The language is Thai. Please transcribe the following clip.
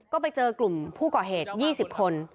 ก็ไปเจอกลุ่มผู้ก่อเหตุ๒๐คน